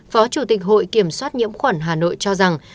phó chủ tịch hội kiểm soát nhiễm khuẩn hà nội cho rằng